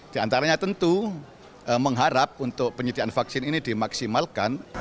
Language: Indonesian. diantaranya tentu mengharap untuk penyediaan vaksin ini dimaksimalkan